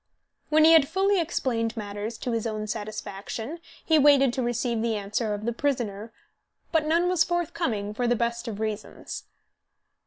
When he had fully explained matters to his own satisfaction he waited to receive the answer of the prisoner; but none was forthcoming, for the best of reasons.